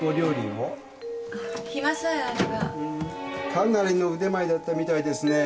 かなりの腕前だったみたいですねえ。